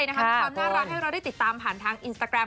มีความน่ารักให้เราได้ติดตามผ่านทางอินสตาแกรม